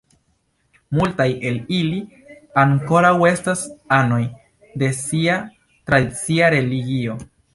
Multaj el ili ankoraŭ estas anoj de sia tradicia religio.